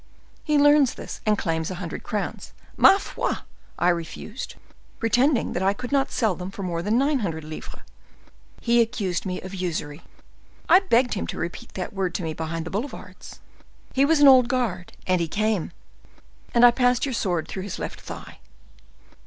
He learns this and claims a hundred crowns. Ma foi! I refused, pretending that I could not sell them for more than nine hundred livres. He accused me of usury. I begged him to repeat that word to me behind the boulevards. He was an old guard, and he came: and I passed your sword through his left thigh."